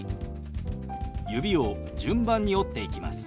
指を順番に折っていきます。